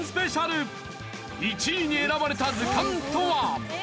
１位に選ばれた図鑑とは？